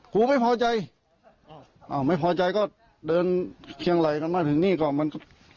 กูไม่พอใจไม่พอใจก็เดินเคียงไหลกันมาถึงนี่ก่อน